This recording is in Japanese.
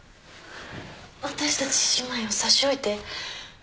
私たち姉妹を差し置いて？